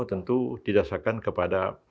tentu didasarkan kepada